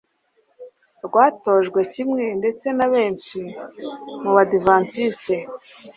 rwatojwe kimwe ndetse na benshi mu Badiventisti